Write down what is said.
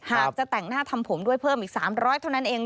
จะแต่งหน้าทำผมด้วยเพิ่มอีก๓๐๐เท่านั้นเอง